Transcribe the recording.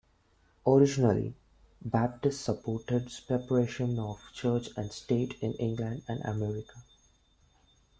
Originally, Baptists supported separation of church and state in England and America.